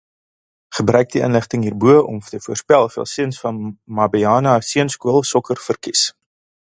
Gebruik die inligting hierbo om te voorspel hoeveel seuns by Mabayana Seunskool sokker verkies.